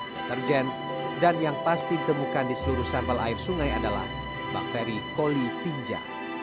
deterjen dan yang pasti ditemukan di seluruh sampel air sungai adalah bakteri kolitinja